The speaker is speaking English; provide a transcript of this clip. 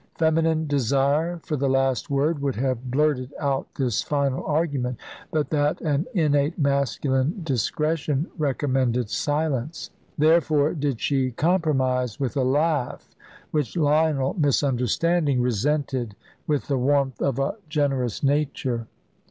Feminine desire for the last word would have blurted out this final argument, but that an innate masculine discretion recommended silence. Therefore did she compromise with the laugh, which Lionel, misunderstanding, resented with the warmth of a generous nature.